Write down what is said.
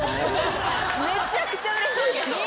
めちゃくちゃうれしいけど。